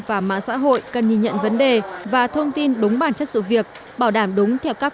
và mạng xã hội cần nhìn nhận vấn đề và thông tin đúng bản chất sự việc bảo đảm đúng theo các